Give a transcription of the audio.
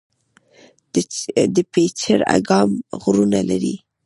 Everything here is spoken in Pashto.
د پچیر اګام غرونه لري